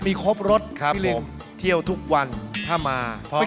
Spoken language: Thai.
มีครบรถครับผมเพียงเที่ยวทุกวันถ้ามาก๘๐๐บคา